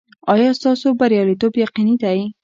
ایا ستاسو بریالیتوب یقیني دی؟